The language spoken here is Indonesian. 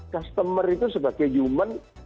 customer itu sebagai human